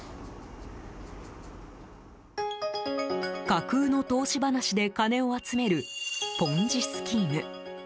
架空の投資話で金を集めるポンジ・スキーム。